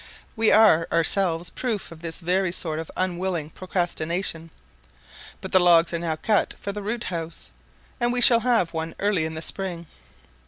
We are ourselves proof of this very sort of unwilling procrastination; but the logs are now cut for the root house, and we shall have one early in the spring.